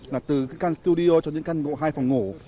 là từ căn studio cho những căn ngộ hai phòng ngủ